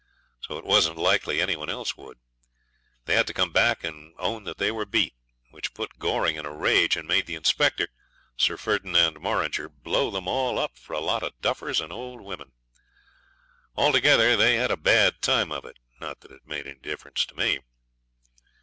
So it wasn't likely any one else would. They had to come back and own that they were beat, which put Goring in a rage and made the inspector, Sir Ferdinand Morringer, blow them all up for a lot of duffers and old women. Altogether they had a bad time of it, not that it made any difference to me.